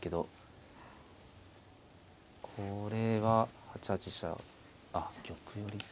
これは８八飛車あっ玉寄りですか。